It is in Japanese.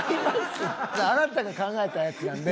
あなたが考えたやつなんで。